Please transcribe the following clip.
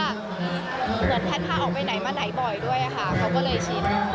เหมือนแพทย์พาออกไปไหนมาไหนบ่อยด้วยค่ะเขาก็เลยชิน